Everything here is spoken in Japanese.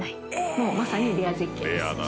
もうまさにレア絶景です。